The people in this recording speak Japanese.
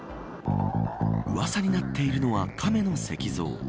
うわさになっているのは亀の石像。